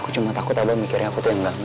aku cuma takut abah mikirin aku tuh yang gangga